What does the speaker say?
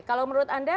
kalau menurut anda